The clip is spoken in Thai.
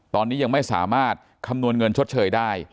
ตอนนี้ยังไม่สามารถคำนวณเงินชดเชยได้